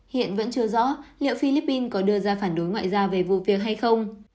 hiện vẫn chưa rõ liệu philippines có đưa ra phản đối ngoại giao về vụ việc hay không